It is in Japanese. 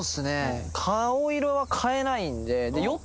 顔色は変えないんで。